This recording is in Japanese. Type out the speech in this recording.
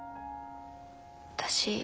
私